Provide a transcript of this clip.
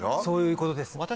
そういうことです。